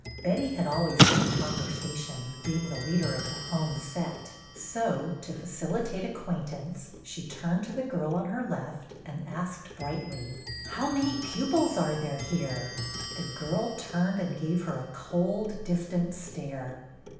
Betty had always made con versation, being the leader of the home set. 54 BETTY BAIRD so, to facilitate acquaintance, she turned to the girl on her left and asked brightly, —" How many pupils are there here? " The girl turned and gave her a cold, dis tant stare.